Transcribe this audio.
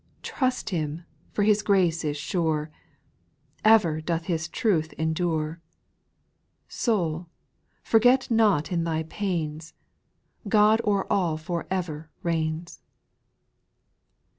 Trust Him, for His grace is sure, Ever doth His truth endure. Soul, forget not in thy pains, God o'er all for ever reigns